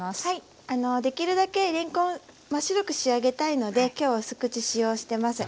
できるだけれんこん真っ白く仕上げたいので今日はうす口使用してます。